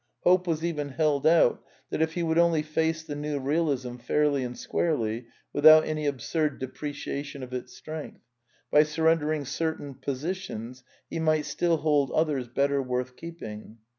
Hope was even held out that if he would only face the New Bealism fairly and squarely, virithout any absurd depreciation of its strength, by surrendering certain posi tions he might still hold others better worth keeping.